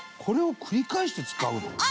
これを繰り返して使うの？